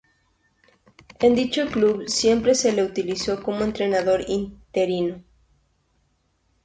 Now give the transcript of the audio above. En dicho club, siempre se le utilizó como entrenador interino.